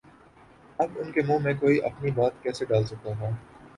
اب ان کے منہ میں کوئی اپنی بات کیسے ڈال سکتا ہے؟